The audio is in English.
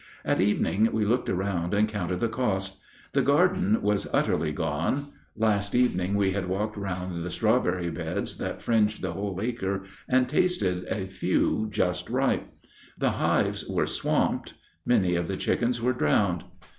At evening we looked around and counted the cost. The garden was utterly gone. Last evening we had walked round the strawberry beds that fringed the whole acre and tasted a few just ripe. The hives were swamped. Many of the chickens were drowned.